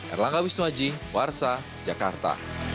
erlangga wisnuaji warsa jakarta